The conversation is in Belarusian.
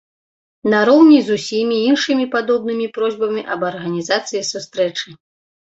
Нароўні з усімі іншымі падобнымі просьбамі аб арганізацыі сустрэчы.